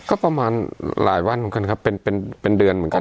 ก็ประมาณหลายวันเหมือนกันครับเป็นเดือนเหมือนกัน